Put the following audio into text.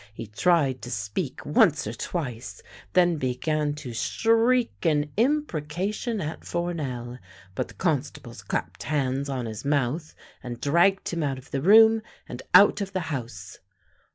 He tried to speak once or twice, then began to shriek an imprecation at Four nel, but the constables clapped hands on his mouth and dragged him out of the room and out of the house.